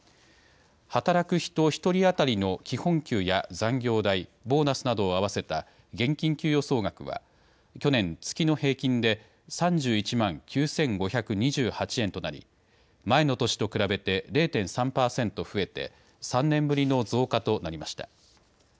働く人１人当たりの基本給や残業代、ボーナスなどを合わせた現金給与総額は去年、月の平均で３１万９５２８円となり前の年と比べて０．３％増えて３年ぶりの増加となりました。